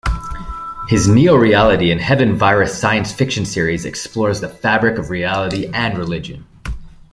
His Neoreality and Heaven Virus science-fiction series explores the fabric of reality and religion.